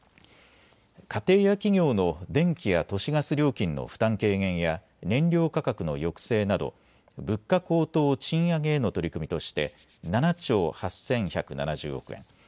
家庭や企業の電気や都市ガス料金の負担軽減や燃料価格の抑制など物価高騰・賃上げへの取り組みとして７兆８１７０億円。